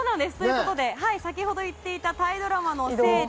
先ほど言っていたタイドラマの聖地